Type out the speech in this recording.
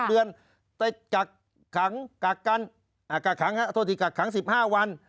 เดือนแต่กักขังกักกันอ่ากักขังฮะโทษทีกักขังสิบห้าวัน